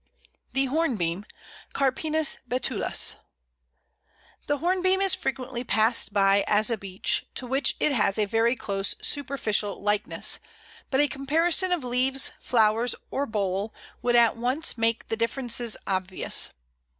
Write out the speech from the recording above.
] The Hornbeam (Carpinus betulus). The Hornbeam is frequently passed by as a Beech, to which it has a very close superficial likeness, but a comparison of leaves, flowers, or bole would at once make the differences obvious.